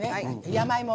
山芋。